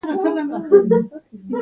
دا ونې ډېرې زاړې دي.